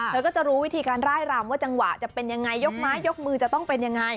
เธอก็จะรู้วิธีการไล่รำว่าจังหวะจะเป็นยังไงยกไม้ยกมือจะต้องเป็นยังไง